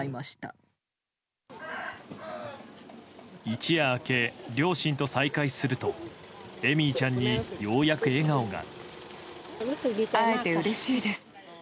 一夜明け、両親と再会するとエミーちゃんにようやく笑顔が。